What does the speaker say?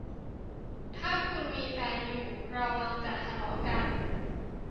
ถ้าคุณมีแฟนอยู่ระวังจะทะเลาะกัน